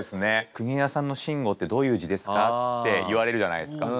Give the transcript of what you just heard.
「国枝さんの『しんご』ってどういう字ですか？」って言われるじゃないですか。